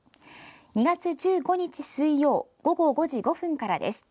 ２月１５日水曜午後５時５分からです。